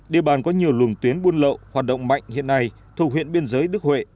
địa bàn có nhiều luồng tuyến buôn lậu hoạt động mạnh hiện nay thuộc huyện biên giới đức huệ